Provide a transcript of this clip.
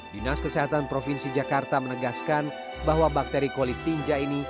dinas kesehatan provinsi jakarta menegaskan bahwa bakteri kolitinja ini